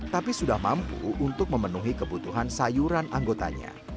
tapi sudah mampu untuk memenuhi kebutuhan sayuran anggotanya